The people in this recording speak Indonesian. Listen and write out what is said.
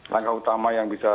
langkah utama yang bisa